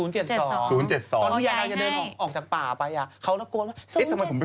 ตอนคุณยายได้จะเดินออกจากป่าไป